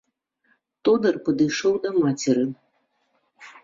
Тодар падышоў да мацеры.